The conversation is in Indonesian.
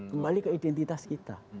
kembali ke identitas kita